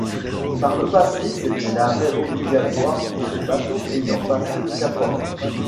Par le passé, c'était l'arrêt obligatoire pour les bateaux ayant passé le Cap Horn.